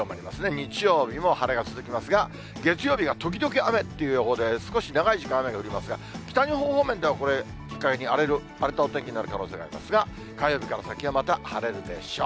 日曜日も晴れが続きますが、月曜日は時々雨という予報で、少し長い時間雨が降りますが、北日本方面では、これ、荒れたお天気になる可能性がありますが、火曜日から先はまた晴れるでしょう。